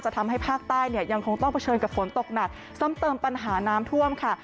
ทำให้ภาคใต้เนี่ยยังคงต้องเผชิญกับฝนตกหนักซ้ำเติมปัญหาน้ำท่วมค่ะ